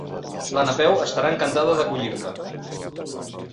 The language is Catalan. La Napeu estarà encantada d'acollir-te.